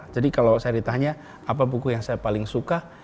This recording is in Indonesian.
jadi kalau saya ditanya apa buku yang saya paling suka